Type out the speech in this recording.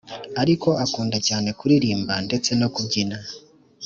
ariko akunda cyane kuririmba ndetse no kubyina,